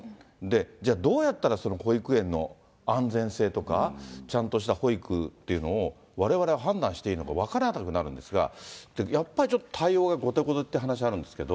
じゃあ、どうやったら保育園の安全性とか、ちゃんとした保育っていうのを、われわれは判断していいのか分からなくなるんですが、やっぱりちょっと対応が後手後手って話あるんですけど。